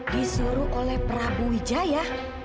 disuruh oleh prabu wijaya